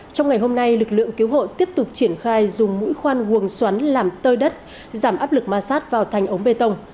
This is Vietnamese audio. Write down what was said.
trong ngày hôm nay lực lượng cứu hộ tiếp tục triển khai dùng mũi khoan uổng xoắn làm tơi đất giảm áp lực ma sát vào thành ống bê tông